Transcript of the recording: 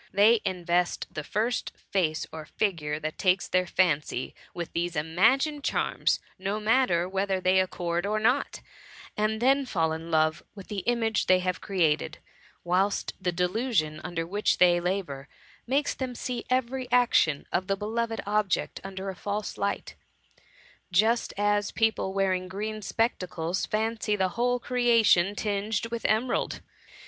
They invest the first face or figure that takes their* fancy, with these imagined charms, no matter whether they accord or not, and then fall in love with the image they have created — whilst the delusion under which they 94 THE MUMMY. labour^ makes them see every action of the beloved object under a false light ; just as people wearing green spectacles fancy the whole creation tinged with emerald.